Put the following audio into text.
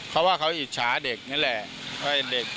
เพราะว่าเขาอิจฉาเด็กนี่แหละ